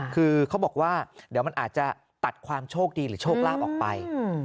คือเขาบอกว่าเดี๋ยวมันอาจจะตัดความโชคดีหรือโชคลาภออกไป